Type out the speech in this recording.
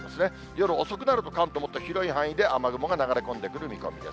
夜遅くなると、関東、もっと広い範囲で雨雲が流れ込んでくる見込み。